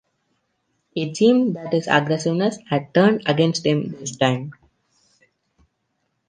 It seemed that his aggressiveness had turned against him this time.